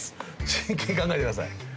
真剣に考えてください。